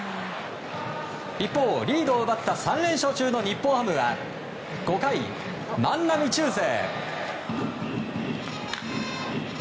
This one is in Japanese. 一方、リードを奪った３連勝中の日本ハムは５回、万波中正。